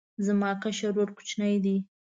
زما کشر ورور کوچنی دی